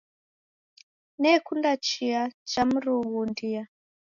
Nekunda chai cha mrughundia.